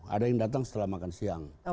ada yang datang setelah makan siang